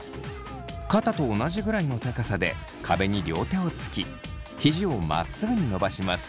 肩と同じくらいの高さで壁に両手をつき肘をまっすぐに伸ばします。